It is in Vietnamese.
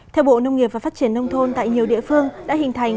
theo bộ nông nghiệp và phát triển nông thôn tại nhiều địa phương đã hình thành